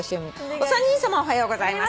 「お三人さまおはようございます」